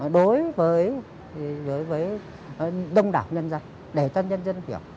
đối với đông đảo nhân dân để cho nhân dân hiểu